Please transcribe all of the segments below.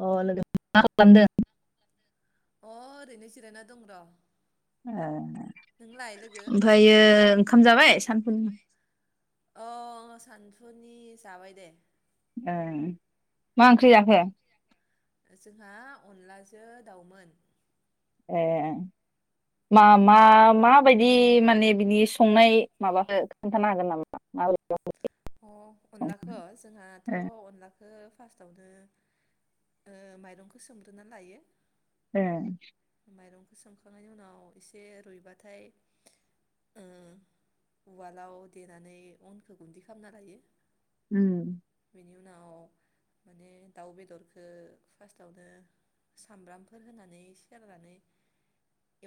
अ लोगो मा खालामदों? अ ओरैनो जिरायना दं र'। ए नोंलाय लोगो ओमफ्रायो ओंखाम जाबाय सानजुफुंनि औ आ सानजुफुनि जाबाय दे। ए मा ओंख्रि जाखो? जोंहा अनलाजों दाउमोन। ए मा मा माबायदि माने बिनि संनाय माबाखौ खोन्थानो हागोन नामा माब्रै अ अनलाखौ जोंहाथ' ए अनला बेखौ फार्स्टावनो माइरंखौ सोमग्रोनानै लायो। ए माइरंखौ सोमखांनायनि उनाव एसे रुइबाथाय उवालाव देनानै अनखौ गुन्दैखौ खालामना लायो। उम बेनि उनाव माने दाउ बेदरखौ फार्टआवनो सामब्रामफोर होनानै सेरनानै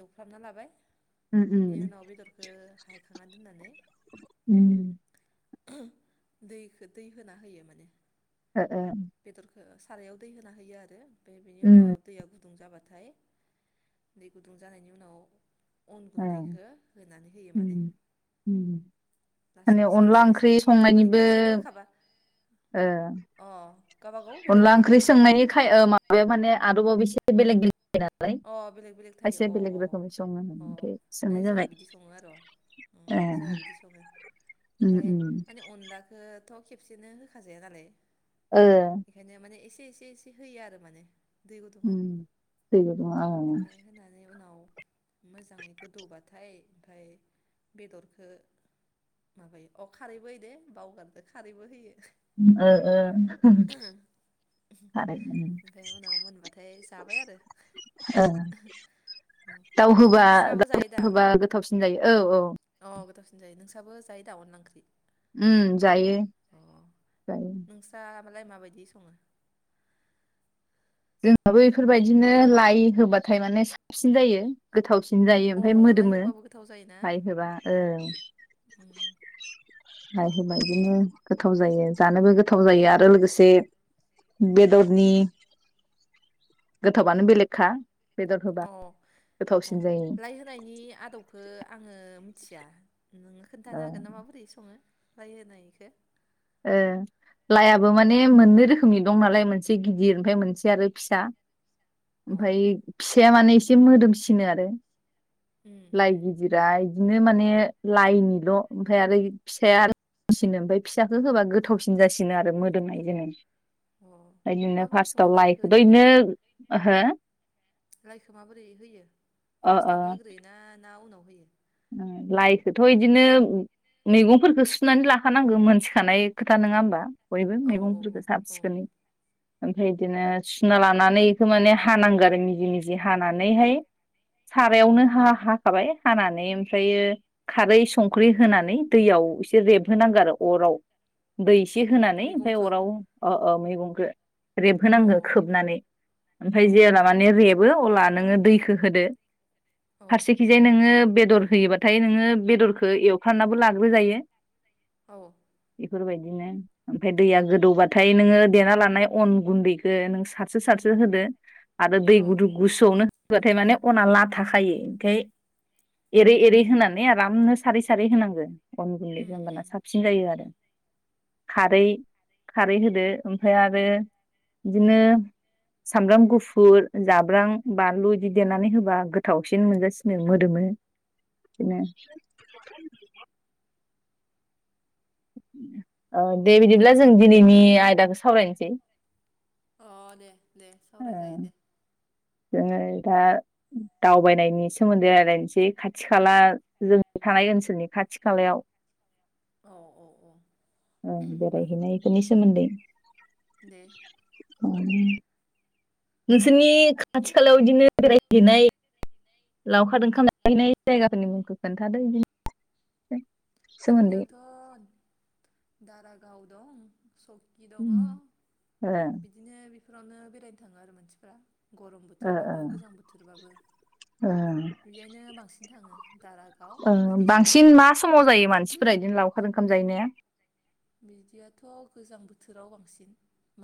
एवफ्रामना लाबाय। उम बेनि उनाव बेदरखौ हायखाङा दोननानै उम दैखौ दै होना होयो माने। ओ ओ बेदरखौ सारायाव दै होना होयो आरो। बे बिदिनि उम उनाव दैया गु गुदुं जाबाथाय दैै गुदुं जानायनि उनाव अन ओ गुन्दैखौ होनानै होयो माने उम उम लासै माने एसे अनला एसे एसे ओंख्रि होयो आरो माने संनायनिबो खेबसेनो होखाबा अ गावबागाव बेलेग अनला बेलेग ओंख्रि आइदिया संनायनिखाय माबाया माने आदबाव बेसे बेलेग बेलेग अ बेलेग बेलेग [unintelligible] थायो खायसेया अ बेलेग अ रोखोमै अ सङो। सोंनाय माने जोंहा जाबाय बिदि सङो आरो' ए जोंहा बिदि सङो उम ओमफाय उम माने अनलाखौथ' खेबसेनो होखाजाया नालाय। ओ बेखायनो माने ए एसे एसे एसे होयो आरो माने। दै गुदुङाव उम दैै [unintelligible] ओमफ्राय [unintelligible] उनाव मोजाङै गोदौबाथाय ओमफ्राय बेदरखौ माबायो अ खारैबो होदो बावगारदो खारैबो होयो। ओ ओ खारै ओ ओमफ्राय उनाव मोनबाथाय जाबाय आरो ओ दाउ होबा नोंस्राबो जायो दा दाउ होबा गोथावसिन जायो ओव अ गोथावसिन [unintelligible] साबो जायो दा अनला ओंख्रि उम जायो अ जायो। [unintelligible] माबायदि सङो जोंहाबो यिफोरबायदिनो लाइ होबाथाय माने साबसिन जायो गोथावसिन। [unintelligible] अ ओमफ्राय लाइ मोदोमो होबाबो गोथाव जायोना लाइ होबा औ उम लाइ हाबा बिदिनो गोथाव जायो जानोबो गोथाव जायो आरो लोगोसे बेदरनि गोथावानो बेलेगखा बेदर होबा अ - गोथावसिन अ जायो लाइ होनायनि आदबखौ आङो थिया नोङो ओ खोन्थानो हागोनना माबोरै सङो? लाइ होनायखो ओ लाइआबो माने मोननै रोखोमनि दं नालाय मोनसे गिदिर ओमफ्राय मोनसे आरो फिसा अ ओमफाय फिस फिसाया माने एसे मोदोमसिनो आरो उम लाइ उम गिदिरा बिदिनो माने लाइनिल ओमफ्रायाय आरो यि फिसाया ओमफ्राय [unintelligible] फिसाखौ होबा गोथावसिन जासिनो आरो मोदोमनाय जोनो अ ओदिनो माबोरै सङो फार्स्टआव हो लाइखौ माबोरै होयो फार्स्टआवनो होग्रोयोना ना उनाव होयो ओ लाइखौथ बिदिनो मैगंफोरखौ सुनानै लाखानांगौ मोनथिखानाय खोथा नङा होमबा बयबो औ औ औ मैगंफोरखो साब औ सिखोनै ओमफ्राय बिदिनो सुना लानानै बेखौ माने हानांगो आरो मिजि मिजि हानानैहाय सारायावनो हा हाखाबाय हानानै ओमफ्रायो खारै संख्रि होनानै दैयाव एसे रेबहोनांगौ आरो अराव दै एस होनानै ओमफ्राय मैगंखो अराव ओ ओ मैगंखो अ रेबहोनांगो खोबनानै ओमफ्राय औ जेब्ला माने रेबो अब्ला नोङो दैखो होदो औ फारसेखिजाय नोङो बेद दर होयोबाथाय नोङो बेदरखो एवफ्रानाबो लाग्रोजायो औ बेफोरबायदिनो ओमफ्राय दैया गोदौबाथाय नोङो देना लानाय अन गुन्दैखो नों सारस्रो सारस्रो होदो आरो दै औ गुदु औ गुसुआवनो होबाथाय माने अना लाथाखायो ओंखाय एरै एरै होनानै आरामनो सारै सारै होनांगो अन उम गुनदैखौ उम होमबाना साबसिन जायो आरो खारै खारै होदो ओमफ्राय आरो बिदिनो सामब्राम गुफुर जाब्रां बानलु बिदि देनानै होबा गोथावसिन मोनजासिनो मोदोमो [unintelligible] औ दे बिदिब्ला नों जों दिनैनि आयदाखौ सावरायनोसै बे अ दे दे सावराय जायो दे। जोङो दा दावबायनायनि सोमोन्दै रायलायनोसै खाथि खाला जोंनि थानाय ओनसोलनि खाथि खालायाव औ औ औ औ बेरायहैनाय फोरनि सोमोन्दै दे उम नोंसोरनि खाथि खालायाव इदिनो बेरायहैनाय लावखार ओंखाम जाहैनाय जायगाफोरनि मुंखौ खोन्थादो इदिनो जोंनियावथ' दारागाव दं सकि ओ दङ बिदिनो बेफोरावनो बेरायनो थाङो आरो मानसिफ्रा। गरम ओ बोथोरबाबो गोजां बोथोरबाबो ओ बेहायनो बांसिन थाङो दारागाव ओ आरो सकि। बांसिन मा समाव जायो मानसिफोरा इदिनो लावखार ओंखाम जाहैनाया? बिदियाथ' गोजां बोथोराव बांसिन।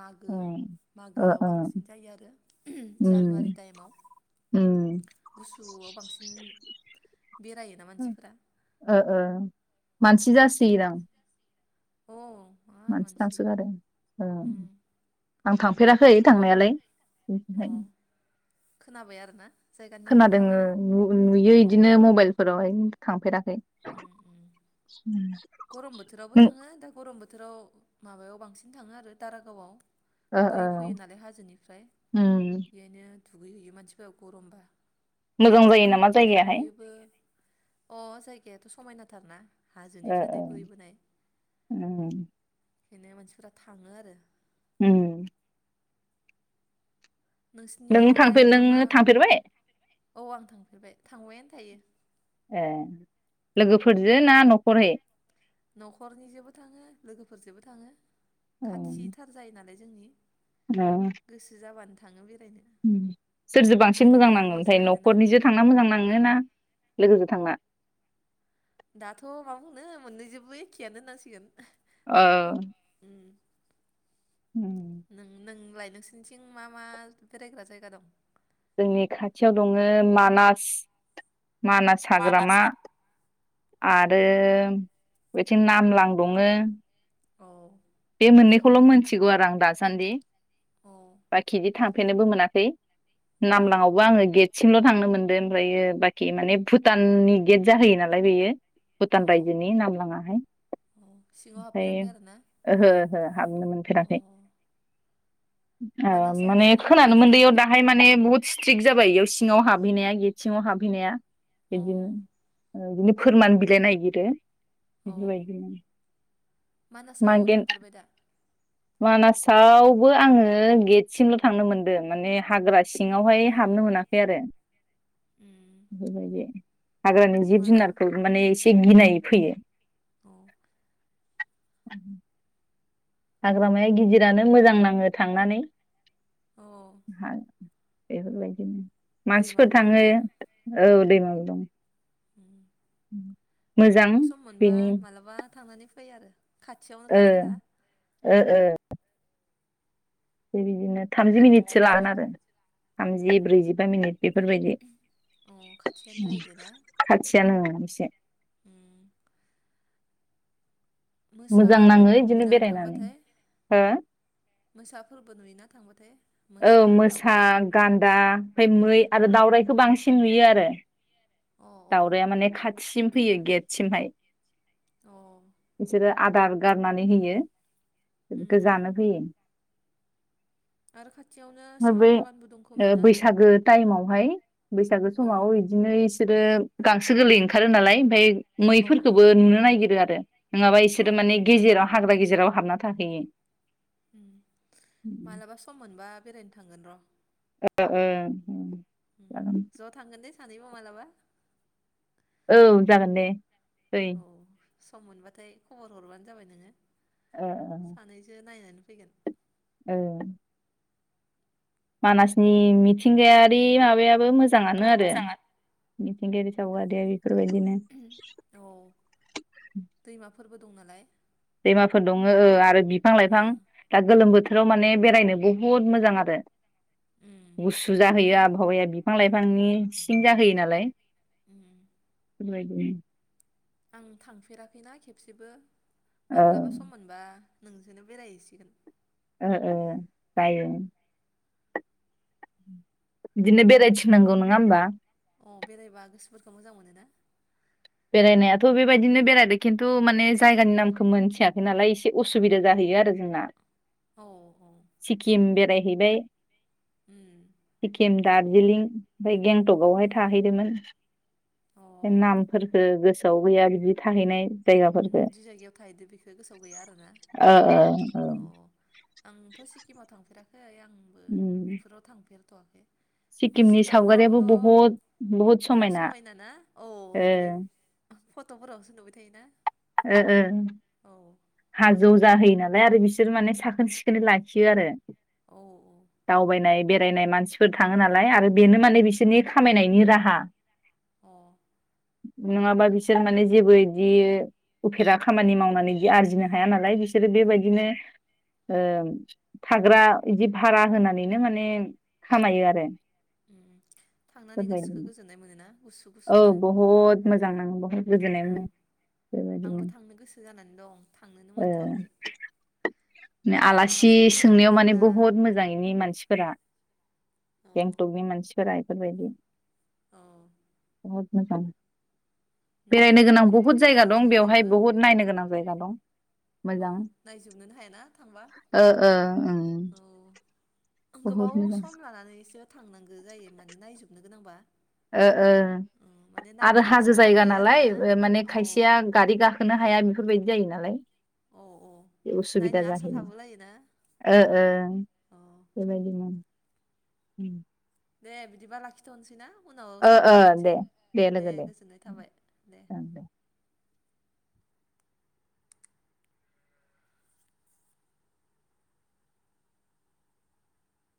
मागो उम ओ मागोआव ओ बांसिन जायो आरो जानुवारि उम ताइमाव उम गुसुआव बांसिन बेरायोना मानसिफोरा। ओ मानसि जासोयोदां औ मानसि थांसोगारो ओं आं थांफेराखै ए थांनायालाय अ [unintelligible] खोनाबाय आरो ना खोनादोङो नु-नुयो अ इदिनो मबाइलफोरावहाय थांफेरा नै उम। गरम बोथोरावबो थाङो दा गरम बोथोराव माबायाव बांसिन थाङो आरो दारागावाव ओ दै ओ फैयो नालाय हाजोनिफ्राय उम बेयायनो दुगैहैयो मानसिफोरा गरमबा। मोजां जायो नामा जायगायाहाय? दुगैयोबो अ जायगायाथ' समायनाथारना? ओ हाजोनिफ्राय दै ओ बोहैबोनाय ओम। बेनो मानसिफोरा थाङो आरो। उम नों नोंसिनियावलाय थांफेर मा मा नोङो थांफेरबाय औ आं थांफेरबाय थांबायानो थायो ए लोगोफोरजो ना न'खरहै न'खरनिजोंबो थाङो लोगोफोरजोंबो थाङो। उम खाथिथार जायो नालाय। जोंनि गोसो जाबानो थाङो [unintelligible] ओम सोरजों बांसिन मोजां बेरायनानै नाङो ओमफाय मोनोना न'खरनिजो थांना मोजां नाङो ना? लोगोजों थांना दाथ' मा बुंनो मोननैजोंबो एखेयानो होननांसिगोन। औ उम नों- नों लाय? नोंसनिथिं मा मा बेरायग्रा जायगा दं? जोंनि खाथियाव दङो मानास मानास हाग्रामा आरो बिथिं नामलां दङो। औ बे मोननैखौल' मोनथिगौ आरो आं दासो सानदि औ बाकि [unintelligible] थांफेनोबो मोनाखै औ नामलाङावबो आङो गेटस थिंल' थांनो मोन्दों ओमफ्रायो बाखि माने भुटाननि गेट जाहोयो नालाय बेयो भुटान औ रायजोनि नाम लाङाहाय औ सिङाव ओमफ्राय हाबफेराखै आरोना ओहो ओहो हाबनो मोनफेराखै। अ ओ माने मानासावलाय खोनोम थांफेरगोन ना मोनन्दैयाव थांफेराखै दाहाय माने बुहुत स्ट्रिक जाबाय बेयाव सिङाव हाबहैनाया गेट सिङाव हाबहैनाया अ बिदिनो ओ बि फोरमान बिलाइ नागिरो। अ बिबायदिनो सआव थांफेरबाय दा? मानासावबो आङो गेटसिमल' थांनो मोनदों माने हाग्रा सिङावहाय हाबनो मोनाखै आरो उम बेफोरबायदि हाग्रानि जिब मालाबा जुनारखौ माने ए से गिनाय फैयो। [unintelligible] [inaudible] हाग्रामाया गिदिरानो मोजां नाङो थांनानै अ [inaudible] बेफोर बायदिनो मानसिफोर दैमाबो थाङो दंना [unintelligible] औ दैमाबो दं। मोजां नोंबो सम मोनबा बेनि मालाबा थांनानै फै आरो ओ खाथियावनोखा जेला ओ ओ थिग बिदिनो थामजि मिनिटसो लागोन आरो थामजि ब्रैजिबा मिनिट बेफोरबायदि अ खाथियानो उम जायो खाथियानो औ एसे होम मोजां नाङो मोसाफोरबो बिदिनो नुयोना बेरायनानै थांबाथाय हो मोसाफोरबो नुयोना थांबाथाय? औ मोसा गान्दा ओमफ्राय मै आरो दाउ राइखौ बांसिन नुयो आरो अ अ दावराइया माने खाथिसिम फैयो गेटसिमहाय अ उम बिसोरो आदार गारनानै होयो। बेखो उम जानो फैयो। आरो खाथियावनो साहा बे बागानबो दं खोमा ओ ना बैसागो टाइमावहाय बैसागो औ समाव इदिनो इस बिसोरो गांसो गोरलै ओंखारो नालाय ओमफाय औ मैफोरखौबो नुनो नागिरो आरो नङाबा औ इसोरो औ माने औ गेजेराव हाग्रा गेजेराव हाबना थाहैयो मालाबा सम मोनबा बेरायनो थांगोन र' ओ ओ ओ ज' थांगोन दे सानैबो मालाबा औ जागोन दे दै औ सम मोनबाथाय खबर हरबानो जाबाय नोङो। ओ सानैजो नायनानै फैगोन औ मानासनि मिथिंगायारि माबायाबो मोजां। मोजाङानो आरो मिथिंगायारि सावगारियारि बेबायदिनो औ दैमाफोरबो दं नालाय दैमाफोर दङ ओ आरो बिफां ओ लाइफां दा गोलोम बोथोर बोथोराव माने बेरायनो बुहुत मोजां आरो। उम गुसु जाहोयो आबहावाया बिफां लाइफांनि सिन जाहोयो नालाय। नालाय ओम इफोरबादिनो आं थांफेराखैना खेबसेबो। ओ माब्लाबा सम मोनबा नोंजोंनो बेरायहैसिगोन। ओ ओ जायो बिदिनो बेरायथिंनांगौ नङा होमबा? अ बेरायबा गोसोफोरखौ मोजां मोनोना। बेरायनायाथ' बेबायदिनो बेरायदों खिनथु माने जायगानि नामखौ मोनथियाखै नालाय एसे असुबिदा जाहैयो आरो जोंना। औ औ हेबाय उम एखेयानो। दार्जिलिं ओमफ्राय गेंंटकआवहाय थाहैदोंमोन। अ नाम ओ गोसोआव गैया बिदि थाहैनाय जायगाफोरखो जि जायगायाव थाहैदो बेखो गोसोआव गैया आरोना ओ ओ ओ अ आंथ' सिक्किमाव थांफेराखै। ओइ आंबो उम बेफोराव थांफेर -थ'वाखै सिक्किमनि सावगारियाबो बहुद बहुद अ समायना ना औ नुयो ओं फट'फोरावसो नुबाय थायोना। ओ ओं औ हाजो बुरजा होयो नालाय आरो बिसोर माने साखोन सिखोनै लाखियो आरो। औ दावबायनाय बे जायनाय मानसि बोखाङो उम नालाय आरो बेनो माने बिसोर बिनि खामायनायनि राहा अ नोङाबा बिसोर माने जेबो इदि उफेरा खामानि मावनानै जि आरजिनो हाया नालाय बिस जेरै अ बेबायदिनो ओं थाग्रा इदि भारा होनानैनो माने खामायो आरो उम थांनानै गोसोखौ गोजोननाय मोनोना गुसु औ गुसुनो बहुद मोजां नाङो बहाय गोजोननाय अ मोनो। बेबायदिनो आंबो थांनो गोसो जानानै दं थांनोनो ओ मोनथ'वाखै। मालाबा आलासि समफोरा सोंनायाव माने मिलायबा बहुत मोजां इनि मानसिफोरा औ गेंटकनि मानसिफोरा इफोरबायदि औ बहद मोजां नुनायाव बेरायनो गोनां बहुद समायनाथारना जायगा दं बेवहाय जायगायाबो बहुद नायनो गोनां जायगा दं। औ मोजां नायजोबनोनो हा ए ना थांबा ओ ओ ओं औ बहुद गोबाव मोजां सम लानानैसो थांनांगो जायो माने नायजुबनो गोनांबा ओ ओ उम माने आरो नायनो हाजो आसा जायगा थाबोयो आरोना नालाय ओ माने औ खायसेया गारि गाखोनो हाया बेफोरबायदि जायोना। औ औ [unintelligible] उसुबिदा नायनो आसा जाहैयो थाबोलायोना ओ ओ औ बेबायदिनो उम दे बिदिबा लाखिथ'नोसैना? उनाव ओ ओ सावरायलायनोसै दे दे लोगो गोजोननाय थाबाय दे।